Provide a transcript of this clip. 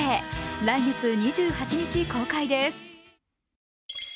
来月２８日公開です。